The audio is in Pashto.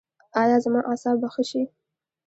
ایا زما اعصاب به ښه شي؟